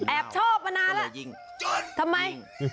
แอบชอบปัน่าแล้ว